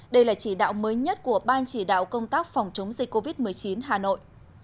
đây là chỉ đạo mới nhất của ban chỉ đạo công tác phòng chống dịch covid một mươi chín hà nội